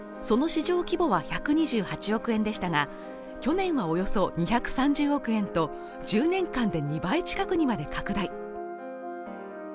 その市場規模は１２８億円でしたが去年はおよそ２３０億円と１０年間で２倍近くにまで拡大